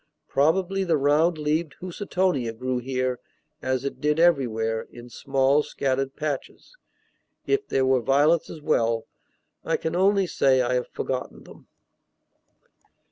Probably the round leaved houstonia grew here, as it did everywhere, in small scattered patches. If there were violets as well, I can only say I have forgotten them.